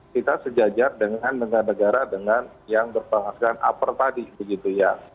kita sejajar dengan negara negara dengan yang berpenghasilan upper tadi begitu ya